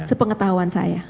ini pengetahuan saya